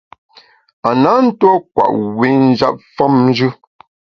A na ntuo kwet wi njap famjù.